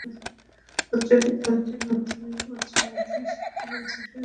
উচ্চ বিদ্যালয়টি মাধ্যমিক ও উচ্চ মাধ্যমিক শিক্ষা বোর্ড, যশোরের অধিভূক্ত একটি শিক্ষাপ্রতিষ্ঠান।